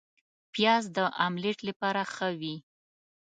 پیاز د املیټ لپاره ښه وي